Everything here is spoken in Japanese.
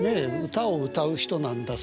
歌を歌う人なんだ。